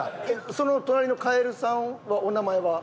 その隣のカエルさんのお名前は？